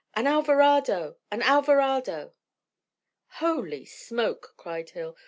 "An Alvarado! an Alvarado!" "Holy smoke!" cried Hill.